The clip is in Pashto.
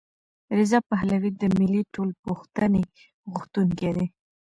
رضا پهلوي د ملي ټولپوښتنې غوښتونکی دی.